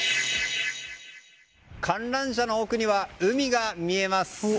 観覧車の奥には海が見えます。